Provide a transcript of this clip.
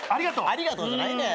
ありがとうじゃないねん。